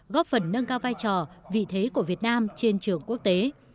góp phần nâng cao vai trò vị thế của việt nam trên trường quốc tế